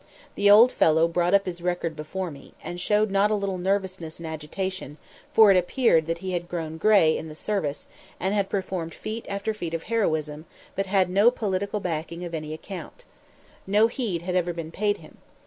The old fellow brought up his record before me, and showed not a little nervousness and agitation; for it appeared that he had grown gray in the service, had performed feat after feat of heroism, but had no political backing of any account. No heed had ever been paid him.